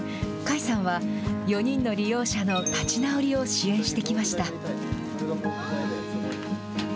甲斐さんは、４人の利用者の立ち直りを支援してきました。